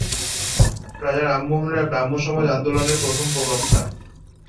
রাজা রামমোহন রায় ব্রাহ্মসমাজ আন্দোলনের প্রথম প্রবক্তা।